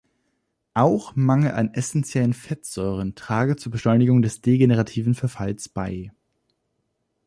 Auch Mangel an essentiellen Fettsäuren trage zur Beschleunigung des degenerativen Verfalls bei.